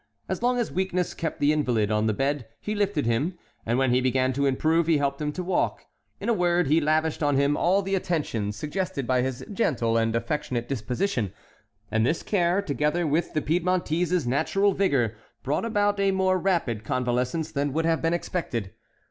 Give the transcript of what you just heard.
As long as weakness kept the invalid on the bed, he lifted him, and when he began to improve he helped him to walk; in a word, he lavished on him all the attentions suggested by his gentle and affectionate disposition, and this care, together with the Piedmontese's natural vigor, brought about a more rapid convalescence than would have been expected.